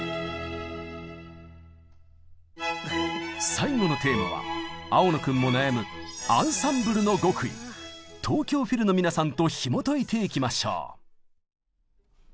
最後のテーマは青野君も悩む東京フィルの皆さんとひもといていきましょう！